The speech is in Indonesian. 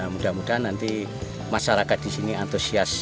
mudah mudahan nanti masyarakat disini antusias